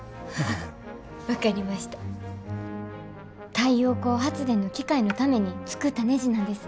太陽光発電の機械のために作ったねじなんです。